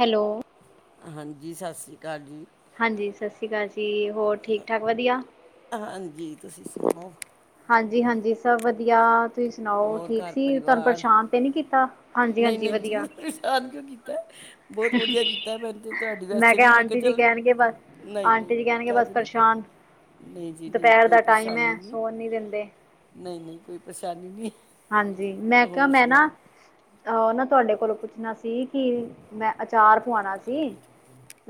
Hello ਹਾਂਜੀ ਸਤਿ ਸ਼੍ਰੀ ਅਕਾਲ ਜੀ ਹਾਂਜੀ ਸਤਿ ਸ਼੍ਰੀ ਅਕਾਲ ਜੀ ਹੋਰ ਠੀਕ ਠਾੱਕ ਵਧੀਆ ਹਾਂਜੀ ਤੁਸੀਂ ਸੁਣਾਓ ਹਾਂਜੀ ਹਾਂਜੀ ਸਭ ਵਧੀਆ ਤੁਸੀਂ ਸੁਣਾਓ ਹੋਰ ਠੀਕ ਘਰ ਸੀ ਤੁਹਾਨੂੰ ਪਰਿਵਾਰ ਪਰੇਸ਼ਾਨ ਤੇ ਨਹੀਂ ਕੀਤਾ ਹਾਂਜੀ ਨਹੀਂ ਹਾਂਜੀ ਨਹੀਂ ਜੀ ਵਧੀਆ। ਉਹ ਪਰੇਸ਼ਾਨ ਕਿਉਂ ਕੀਤਾ ਬਹੁਤ ਵਧੀਆ ਕੀਤਾ ਮੈਨੂੰ ਤੇ ਤੁਹਾਡੀ ਵੈਸੇ ਵੀ ਮੈਂ ਕਿਹਾ ਆਂਟੀ ਜੀ ਚੱਲ ਕਹਿਣਗੇ ਬਸ ਨਹੀਂ ਨਹੀਂ ਆਂਟੀ ਜੀ ਕਹਿਣਗੇ ਬਸ ਕੱਲ ਨਹੀਂ ਪਰੇਸ਼ਾਨ ਨਹੀਂ ਜੀ ਨਹੀਂ ਦੁਪਹਿਰ ਕੋਈ ਦਾ ਟਾਈਮ ਹੈ ਪਰੇਸ਼ਾਨੀ ਨਹੀਂ ਸੋਣ ਨੀ ਦਿੰਦੇ ਨਹੀਂ ਨਹੀਂ ਕੋਈ ਪਰੇਸ਼ਾਨੀ ਨਹੀਂ ਹਾਂਜੀ ਮੈਂ ਕਿਹਾ ਹੋਰ ਮੈਂ ਨਾ ਸੁਣਾਓ ਉਹਹ ਨਾ ਤੁਹਾਡੇ ਕੋਲੋਂ ਪੁੱਛਣਾ ਸੀ ਕਿ ਮੈਂ ਅਚਾਰ ਪਵਾਣਾ ਸੀ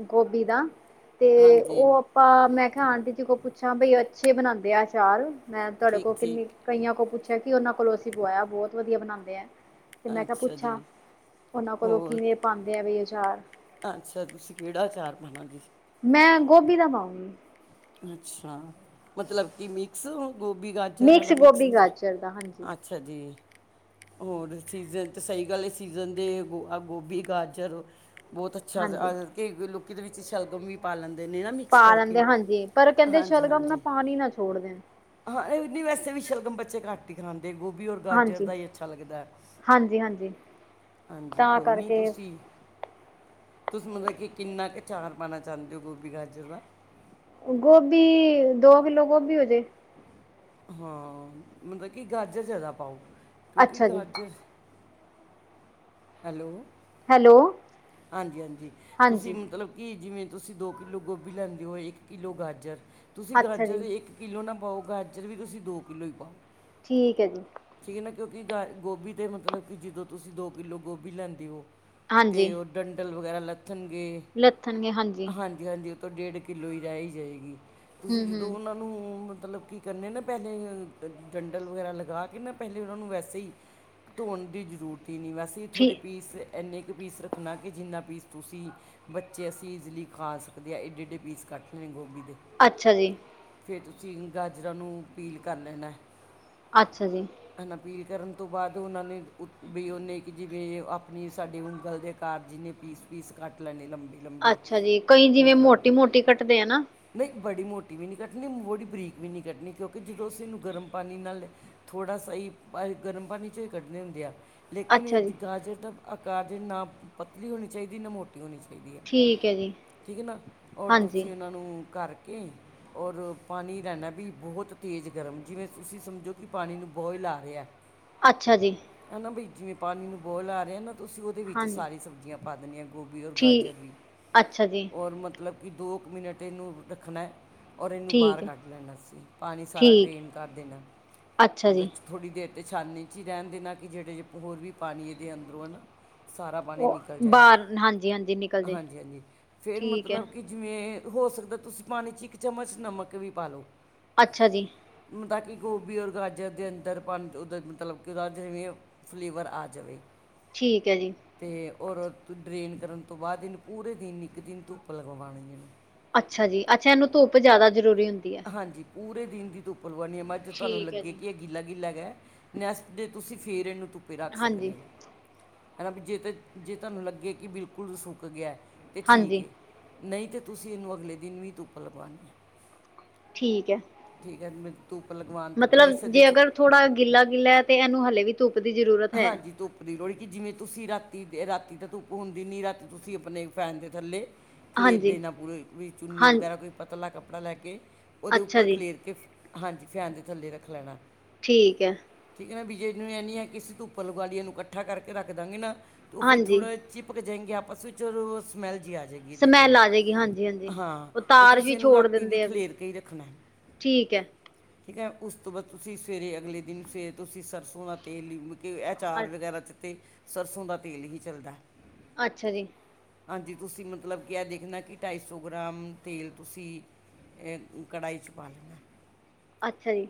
ਗੋਭੀ ਦਾ ਤੇ ਹਾਂਜੀ ਉਹ ਮੈਂ ਕਿਹਾ ਆਂਟੀ ਜੀ ਕੋਲ ਪੁੱਛਾਂ ਬਈ ਅੱਛੇ ਬਣਾਉਂਦੇ ਆ ਚਾਰ ਮੈਂ ਤੁਹਾਡੇ ਕੋਲ ਠੀਕ ਕਿੰਨੀ ਠੀਕ ਕਈਆਂ ਕੋਲ ਪੁੱਛਿਆ ਕਿ ਉਹਨਾਂ ਕੋਲੋਂ ਅਸੀਂ ਪੁਇਆ ਬਹੁਤ ਵਧੀਆ ਬਣਾਉਂਦੇ ਆ ਤੇ ਮੈਂ ਕਿਹਾ ਅੱਛਾ ਜੀ ਪੁੱਛਾਂ ਉਹਨਾਂ ਕੋਲੋਂ ਹੋਰ ਕਿਵੇਂ ਪਾਉਦੇ ਆ ਵੀ ਆਚਾਰ ਅੱਛਾ ਤੁਸੀਂ ਕਿਹੜਾ ਅ ਚਾਰ ਪਾਉਣਾ ਜੀ ਮੈਂ ਗੋਭੀ ਦਾ ਪਾਉਂਗੀ ਅੱਛਾ ਮਤਲਬ ਕਿ ਮਿਕਸ ਗੋਭੀ ਗਾਜਰ ਵਾਲਾ ਮਿਕਸ ਗੋਭੀ ਗਾਜਰ ਦਾ ਹਾਂਜੀ ਅੱ ੱਛ ਜੀ ਹੋਰ ਸੀਜ਼ਨ ਤਾਂ ਸਹੀ ਗੱਲ ਸੀਜ਼ਨ ਦੇ ਗੋਭੀ ਗਾਜਰ ਬਹੁਤ ਅੱਛਾ ਹਾਂਜੀ ਕ ਲੋਕੀ ਦੇ ਵਿੱਚ ਸ਼ਲਗਮ ਵੀ ਪਾ ਲੈਂਦੇ ਨੇ ਨਾ ਮਿਕਸ ਪਾ ਕਰਕੇ ਲੈਂਦੇ ਹਾਂਜੀ ਪਰ ਕਹਿੰਦੇ ਹਾਂਜੀ ਸ਼ਲਗਮ ਨਾਲ ਹਾਂਜੀ ਪਾਣੀ ਨਾ ਛੋੜਦੇਣ ਹਾਂ ਨਹੀਂ ਵੈਸੇ ਵੀ ਸ਼ਲਗਮ ਬੱਚੇ ਘਟ ਹੀ ਖਾਂਦੇ ਗੋਭੀ ਰ ਗਾ ਹਾਂਜੀ ਦਾ ਹੀ ਅੱਛਾ ਲੱਗਦਾ ਹਾਂਜੀ ਹਾਂਜੀ ਹਾਂਜੀ ਤਾਂ ਕੋਈ ਨਹੀਂ ਕਰਕੇ ਤੁਸੀਂ ਤੁਸੀਂ ਮਤਲਬ ਕਿ ਕਿੰਨਾ ਕੁ ਚਚਾਰ ਪਾਉਣਾ ਚਾਹੁੰਦੇ ਹੋ ਗੋਭੀ ਗਾਜਰ ਦਾ ਗੋਭੀ ਦੋ ਕਿਲੋ ਗੋਭੀ ਹੋਜੇ ਹਾਂ ਮਤਲਬ ਕਿ ਗਾਜਰ ਜਿਆਦਾ ਪਾਓ ਕਿਉਂਕਿ ਅੱਛਾ ਜੀ ਗਾਜਰ ਹੈਲੋ ਹੈਲੋ ਹਾਂਜੀ ਹਾਂਜੀ ਤੁਸੀਂ ਹਾਂਜੀ ਮਤਲਬ ਕਿ ਜਿਵੇਂ ਤੁਸੀਂ ਦੋ ਕਿੱਲੋ ਗੋਭੀ ਲੈਂਦੇ ਹੋ ਇੱਕ ਕਿੱਲੋ ਗਾਜਰ ਤੁਸੀਂ ਅੱਛਾ ਗਾਜਰ ਜੀ, ਦੇ ਇੱਕ ਕਿੱਲੋ ਨਾ ਪਾਓ ਗਾਜਰ ਵੀ ਤੁਸੀਂ ਦੋ ਕਿੱਲੋ ਹੀ ਪਾਓ ਠੀਕ ਹੈ ਜੀ ਠੀਕ ਹੈ ਨਾ ਕਿਉਂਕਿ ਗਾ ਗੋਭੀ ਤੇ ਮਤਲਬ ਕਿ ਜਦੋਂ ਤੁਸੀਂ ਦੋ ਕਿੱਲੋ ਗੋਭੀ ਲੈਂਦੇ ਹੋ ਹਾਂਜੀ, ਤੇ ਉਹ ਡੰਡਲ ਵਗੈਰਾ ਲੱਥਣਗੇ ਲੱਥਣਗੇ ਹਾਂਜੀ ਹਾਂਜੀ ਉਹ ਤੋਂ ਡੇਢ ਕਿੱਲੋ ਹੀ ਰਹਿ ਹੀ ਜਾਏਗੀ ਤੁਸੀਂ ਹੂੰ-ਹੂੰ ਜਦੋਂ ਉਹ ਮਤਲਬ ਕੀ ਕਰਨ ਨਾ ਪਹਿਲਾਂ ਡੰਡਲ ਵਗੈਰਾ ਲਗਾ ਕੇ ਨਾ ਪਹਿ ਉਹਨਾਂ ਨੂੰ ਵੈਸੇ ਹੀ ਧੋਣ ਦੀ ਜ਼ਰੂਰਤ ਹੀ ਨਹੀਂ ਵੈਸੇ ਠੀ ਥੋੜ੍ਹੇ ਪੀਸ ਇੰਨੇ ਕੁ ਪੀਸ ਰੱਖਣਾ ਕਿ ਜਿੰਨਾ ਪੀਸ ਤੁਸੀਂ ਬੱਚੇ ਅਸੀਂ ਇਈਜ਼ਲੀ ਖਾ ਸਕਦੇ ਹਾਂ ਏਡੇ ਏਡੇ ਪੀਸ ਕੱਟ ਲੈ ਗੋਭੀ ਦੇ ਅੱਛਾ ਜੀ ਫਿਰ ਤੁਸੀਂ ਗਾਜਰਾਂ ਨੂੰ ਪੀਲ ਕਰ ਲੈਣਾ ਅੱਛਾ ਜੀ ਹਨ ਅਪੀਲ ਕਰਨ ਤੋਂ ਬਾਅਦ ਉਹਨਾਂ ਨੇ ਵੀ ਉਹਨੇ ਕਿ ਜਿਵੇ ਆਪਣੀ ਸਾਡੀ ਉਂਗਲ ਦੇ ਕਾਰ ਜਿੰਨੇ ਪੀਸ ਪੀਸ ਕੱਟ ਲੈਣੇ ਲੰਬੇ ਲੰਬੇ ਅੱਛਾ ਜੀ ਕਈ ਜਿਵੇਂ ਮਤਲਬ ਮੋਟੀ ਮੋਟੀ ਕੱਟਦੇ ਆ ਨਾ ਨਹੀਂ ਬੜੀ ਮੋਟੀ ਵੀ ਨਹੀਂ ਕੱਟਣੀ ਬੜੀ ਬਰੀਕ ਵੀ ਨਹੀਂ ਕੱਟਣੀ ਕਿਉਂਕਿ ਜਦੋਂ ਅਸੀਂਨੂੰ ਗਰਮ ਪਾਣੀ ਨਾਲ ਲੈ, ੋੜਾ ਸਹੀ ਗਰਮ ਪਾਣੀ ਚ ਹੀ ਕੱਢਣੇ ਹੁੰਦੇ ਆ ਲੇਕਿਨ ਅੱਛਾ ਜੀ। ਗਾਜਰ ਦਾ ਆਕਾਰਜ ਨਾ ਪਤਲੀ ਹੋਣੀ ਚਾਹੀਦੀ ਨਾ ਮੋਟੀ ਹੋਣੀ ਚਾਹੀਦੀ ਾਹੀ ਹੈ ਠੀਕ ਹੈ ਜੀ, ਠੀਕ ਹੈ ਨਾ ਔਰ ਹਾਂਜੀ, ਤੁਸੀਂ ਉਹਨਾਂ ਨੂੰ ਕਰਕੇ ਔਰ ਪਾਣੀ ਰਹਿਣਾ ਵੀ ਬਹੁਤ ਤੇਜ਼ ਗਰਮ ਜਿਵੇਂ ਤੁਸੀਂ ਸਮਝੋ ਕਿ ਪਾਣੀ ਨੂੰ ਬੋਇਲ ਆ ਰਿਹਾ ਅੱਛਾ ਜੀ ਹਨਾ ਬ ਜਿਵੇਂ ਪਾਣੀ ਨੂੰ ਬੋਲ ਆ ਰਿਹਾ ਨਾ ਤੁਸੀਂ ਉਹਦੇ ਵਿੱਚ ਹਾਂਜੀ, ਸਾਰੀ ਸਬਜ਼ੀਆਂ ਪਾ ਦਿੰਦੇ ਹਾਂ ਗੋਭੀ ਔਰ ਠੀ ਗਾਜਰ ਵੀ ਅੱਛਾ ਜੀ, ਔਰ ਮਤਲਬ ਕਿ ਦੋ ਕੁ ਮਿਨਟ ਏਨੂੰ ਰੱਖਨਾ, ਓਰ ਏਨੂੰ ਬਾਰ ਠੀਕ ਹੈ, ਕਾੱਡ ਲੈਨਾ ਸੀ। ਪਾਨੀ ਸਾਰਾ ਠੀਕ, ਡਰੇਨ ਕਾਰ ਦੇਨਾ, ਅੱਛਾ ਮਤਲਬ ਜੀ। ਥੋੜੀ ਦੇਰ ਤੇ ਛਾਨੀ ਚੀ ਰੈਨ ਦੇਨਾ ਕਿ ਜੇੜੇ ਜੇ ਹੋਰ ਵੀ ਪਾਨੀ ਏਦੇ ਅੰਦਰੋਂ ਐ ਨਾ ਸਾਰਾ ਪਾਨੀ ਉਹ ਨਿਕਲ ਜਾਏ। ਬਾਹਰ ਹਾਂਜੀ-ਹਾਂਜੀ ਨਿਕਲ ਜੇ, ਹਾਂਜੀ, ਹਾਂਜੀ, ਫੇਰ ਠੀਕ ਹੈ, ਮਤਲਬ ਕਿ ਜਿਵੇਂ ਹੋ ਸਕਦਾ ਤੁਸੀ ਪਾਨੀ ਚ ਇੱਕ ਚਮਚ ਨਮਕ ਵੀ ਪਾਲੋ ਅੱਛਾ ਜੀ। ਮ ਤਾਂ ਕਿ ਗੋਭੀ ਓਰ ਗਾਜਰ ਦੇ ਅੰਦਰ [unintelligible] ਫਲੇਵਰ ਆ ਜਵੇ। ਠੀਕ ਐ ਜੀ। ਤੇ ਓਰ ਡਰੇਨ ਕਰਨ ਤੋ ਬਾਦ ਏਨ ਪੂਰੇ ਦਿਨ ਇੱਕ ਦਿਨ ਧੁੱਪ ਲਗਵਾਣੀ ਏ। ਅੱਛਾ ਜੀ, ਅੱਛਾ ਏਨੂੰ ਧੁੱਪ ਜੈਦਾ ਜ਼ਰੂਰੀ ਹੁੰਦੀ ਏ। ਹਾਂਜੀ, ਪੂਰੇ ਦਿਨ ਦੀ ਧੁੱਪ ਲਵਾਣੀ ਏ, ਮੱਜ ਤੋਆਨੂੰ ਠੀਕ ਹੈ ਲੱਗੇ ਜੀ, ਕਿ ਅ ਗਿਲਾ, ਗਿਲਾ ਹੈਗਾ, ਨੈਸਟ ਡੇ ਤੂਸੀ ਫੇਰ ਏਨੂੰ ਧੁੱਪੇ ਰਾੱਖ ਸਕਦੇ ਓ। ਹਾਂਜੀ-ਹਾਂਜੀ। ਹੈਨਾ ਵੀ ਜੇ ਤੇ, ਜੇ ਤਾਨੂੰ ਲੱਗੇ ਕਿ ਬਿਲਕੁਲ ਸੁੱਕ ਗੇਆ, ਤੇ ਠੀਕ ਏ। ਨਈ ਤੇ ਤੁਸੀ ਏਨੂੰ ਅਗਲੇ ਦਿਨ ਵੀ ਧੁੱਪ ਲਵਾਣੀ ਐ। ਠੀਕ ਐ। ਠੀਕ ਐ, ਮੈਂ ਧੁੱਪ ਲਗਵਾਨ ਮਤਲਬ ਜੇ ਅਗਰ ਥੋੜਾ ਗਿੱਲਾ, ਗਿੱਲਾ ਤੇ ਏਨੂੰ ਹਲੇ ਵੀ ਧੁੱਪ ਦੀ ਜ਼ਰੂਰਤ ਹੈ। ਹਾਂਜੀ, ਧੁੱਪ [unintelligible] ਜਿਵੇਂ ਤੁਸੀ‌ ਰਾਤੀ ਦੇ ਰਾਤੀ ਤੇ ਧੁੱਪ ਹੁੰਦੀ ਨੀ, ਰਾਤੀ ਤੁਸੀ ਆਪਨੇ ਫੈਨ ਦੇ ਥੱਲੇ ਖਲੇਰ ਹਾਂਜੀ, ਦੇਨਾ ਪੂਰੇ ਵੀ ਚੁੰਨੀ ਹਾਂ ਵਗੈਰਾ ਕੋਈ ਪਤਲਾ ਕੱਪੜਾ ਲੈ ਕੇ, ਓਦੇ ਅੱਛਾ ਉੱਪਰ ਜੀ ਖਲੇਰ ਕੇ ਹਾਂਜੀ, ਫੈਨ ਦੇ ਥੱਲੇ ਰੱਖ ਲੈਣਾ। ਠੀਕ ਐ। ਠੀਕ ਐ‌ ਨਾ ਵੀ ਜੇ ਏਨੂੰ ਏ ਨੀ ਐ, ਕਿ ਅਸੀ ਧੁੱਪ ਲਵਾਲੀ ਨੂੰ ਕੱਠਾ ਕਰਕੇ ਰਾੱਖ ਦਾਂਗੇ ਨਾ ਓ ਫਿਰ ਹਾਂਜੀ, ਥੋੜਾ ਚੀ ਪੱਗ ਜਾਏਂਗੇ ਆਪਾਸ ਵਿੱਚ [unintelligible] ਸਮੈਲ ਜੀ ਆ ਜੇਗੀ। ਇਦੇ ਚੋ ਸਮੈਲ ਆ ਜਾਏਗੀ ਹਾਂਜੀ-ਹਾਂਜੀ। ਹਾਂ, ਉਹ ਤੇ ਤਾਰ ਤੁਸੀ ਵੀ ਏਨੂੰ ਛੋੜ ਰਾਤੀ ਵੀ ਦਿੰਦੇ ਆ ਫਿਰ ਖਲੇਰ ਕੇ ਰੱਖਨਾ ਠੀਕ ਹੈ। ਠੀਕ ਐ, ਉਸ ਤੋ ਬਾਦ ਤੁਸੀ ਸਵੇਰੇ ਅਗਲੇ ਦਿਨ ਸਵੇਰ ਤੁਸੀ ਸਰਸੋਂ ਦਾ ਤੇਲ ਲਿੰਬ ਕੇ ਅਚਾਰ ਅ- ਵਗੈਰਾ ਚ ਤੇ ਸਰਸੋਂ ਦਾ ਤੇਲ ਹੀ ਚੱਲਦਾ। ਅੱਛਾ ਜੀ। ਹਾਂਜੀ, ਤੁਸੀ ਮਤਲਬ ਕੀ ਏ ਦੇਖਨਾ ਕਿ ਢਾਈ ਸੋ ਗ੍ਰਾਮ ਤੇਲ ਤੁਸੀ ਏ‌ ਕੜਾਈ ਚ ਪਾ ਲੈਨਾ। ਅੱਛਾ ਜੀ।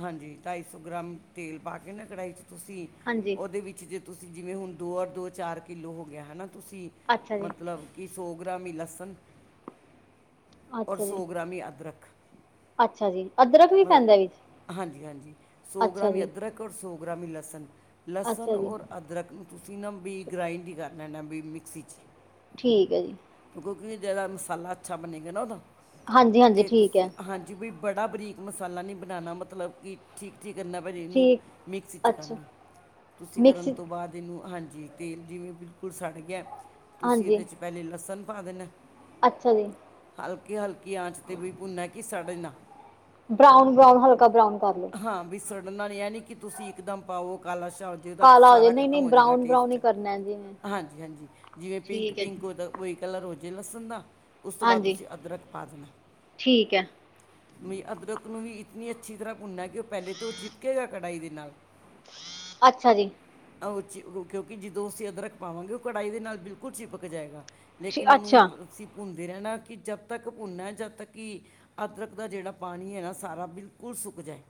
ਹਾਂਜੀ, ਢਾਈ ਸੋ ਗ੍ਰਾਮ ਤੇਲ ਪਾ ਕੇ ਨਾ ਕੜਾਈ ਚ ਤੁਸੀ, ਹਾਂਜੀ, ਓਦੇ ਵੀ ਜੀਦੇ ਤੁਸੀਂ ਜਿਵੇਂ ਹੁਨ ਦੋ ਓਰ ਦੋ ਚਾਰ ਕਿੱਲੋ ਹੋਗੇਆ ਹੈਨਾ, ਤੁਸੀ ਅੱਛਾ ਜੀ, ਮਤਲਬ ਕੀ ਸੋ ਗ੍ਰਾਮ ਈ ਲਸਨ, ਓਰ ਅੱਛਾ ਜੀ। ਸੋ ਗ੍ਰਾਮ ਈ ਅਦਰਕ ਅੱਛਾ ਜੀ, ਅਦਰਕ ਵੀ ਪੈਂਦਾ ਵਿੱਚ [unintelligible] ਹਾਂਜੀ, ਹਾਂਜੀ ਸੋ ਅੱਛਾ ਗ੍ਰਾਮ ਈ ਜੀ, ਅਦਰਕ ਓਰ ਸੋ ਗ੍ਰਾਮ ਈ ਲਸਨ, ਲਸਨ ਅੱਛਾ ਜੀ, ਓਰ ਅਦਰਕ ਨੂੰ ਤੁਸੀ ਨਾ ਬੀ ਗ੍ਰਾਇੰਡ ਈ ਕਾੱਰ ਲੈਨਾ ਬਈ ਮਿਕਸੀ ਚ ਠੀਕ ਐ ਜੀ। ਕੋਕਿ ਜਿਆਦਾ ਮਸਾਲਾ ਅੱਛਾ ਬਣੀ ਗ ਨਾ ਤਾਂ ਹਾਂਜੀ-ਹਾਂਜੀ ਅਤੇ ਠੀਕ ਤੁਸੀਂ ਹੈ, ਹਾਂਜੀ ਵੀ ਬੜਾ ਬਰੀਕ ਮਸਾਲਾ ਨਹੀਂ ਬਣਾਉਣਾ ਮਤਲਬ ਕਿ ਠੀਕ ਠੀਕ ਕਰਨਾ ਭ ਜ ਇਹਨੂੰ ਠੀਕ ਮਿਕਸੀ 'ਚ ਕਰ ਅੱਛਾ ਲਉ ਤੁਸੀਂ ਕਰਨ ਮਿਕਸੀ ਤੋਂ ਬਾਅਦ ਇਹਨੂੰ ਹਾਂਜੀ ਤੇਲ ਜਿਵੇਂ ਬਿਲਕੁਲ ਸੜ ਗਿਆ ਤੁਸੀਂ ਹਾਂਜੀ, ਇਹਦੇ 'ਚ ਪਹਿਲੇ ਲਸਣ ਪਾ ਦੇ ਨੇ ਅੱਛਾ ਜੀ। ਹਲਕੇ, ਹਲਕੀ ਆਂਚ ਤੇ ਵੀ ਭੁੰਨ ਨਾ, ਕਿ ਸੜੇ ਨਾ ਬਰਾਊਨ, ਬਰਾਊਨ ਹਲਕਾ ਬਰਾਊਨ ਕਾੱਰ ਲੋ। ਹਾਂ, ਬੀ ਸੜਨਾ ਨ ਐਨੀ ਕਿ ਤੁਸੀ ਇੱਕਦਮ ਪਾਓ ਕਾਲਾ ਸ਼ਾਹ ਜੇ ਓਦਾ ਕਾਲਾ ਹੋ ਜਾਏ ਸਾਰਾ ਨਹੀਂ ਖਤਮ ਨਹੀਂ ਹੋ ਜੇਗਾ ਬਰਾਊਨ ਬਰਾਊਨ ਟੇਸਟ। ਹੀ ਕਰਨਾ ਜੀ ਨੇ ਹਾਂਜੀ, ਹਾਂਜੀ ਜਿਵੇਂ ਪਿੰਕ, ਠੀਕ ਹੈ ਜੀ ਪਿੰਕ ਓਦਾ ਵੋਈ ਕਲਰ ਹੋ ਜੇ ਲਸਨ ਦਾ, ਉਸ ਤੋ ਬਾਦ ਹਾਂਜੀ ਤੁਸੀ ਅਦਰਕ ਪਾ ਦੇਨਾ। ਠੀਕ ਐ। ਮਈ ਅਦਰਕ ਨੂੰ ਵੀ ਇਤਨੀ ਅੱਛੀ ਤਰਾਂ ਭੁੰਨਾ, ਕਿ ਓ ਪੈਲੇ ਤੋ ਚਿਪਕੇਗਾ ਕੜਾਈ ਦੇ ਨਾਲ ਅੱਛਾ ਜੀ। [unintelligible] ਕਯੋਕਿ ਜਦੋ ਅਸੀ ਅਦਰਕ ਪਾਵਾਂਗੇ ਓ ਕੜਾਈ ਦੇ ਨਾਲ ਬਿਲਕੁਲ ਚਿਪਕ ਜਾਏਗਾ। ਲੇਕਿਨ ਉਹਨੂੰ ਅੱਛਾ ਅਸੀਂ ਭੁੰਨਦੇ ਰਹਿਣਾ ਕਿ ਜਦ ਤੱਕ ਭੁੰਨਨਾ ਜਦ ਤੱਕ ਕਿ ਅਦਰਕ ਦਾ ਜਿਹੜਾ ਪਾਣੀ ਹੈ ਨਾ ਸਾਰਾ ਬਿਲਕੁਲ ਸੁੱਕ ਜਾਏ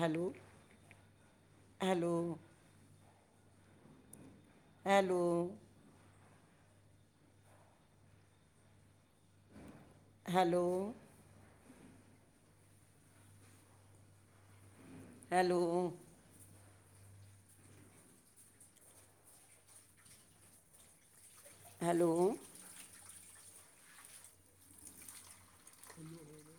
hello hello hello hello hello hello ਠੀਕ ਹੈ